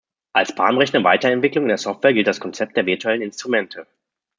Als bahnbrechende Weiterentwicklung in der Software gilt das Konzept der virtuellen Instrumente.